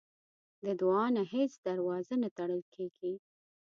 د دعا نه هیڅ دروازه نه تړل کېږي.